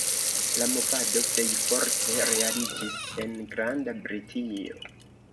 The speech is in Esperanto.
La movado plej forte realiĝis en Granda Britio.